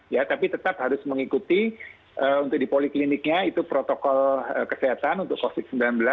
ya tapi tetap harus mengikuti untuk di polikliniknya itu protokol kesehatan untuk covid sembilan belas